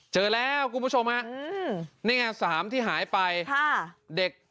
เจอแล้วคุณผู้ชมฮะนี่ไงสามที่หายไปค่ะเด็ก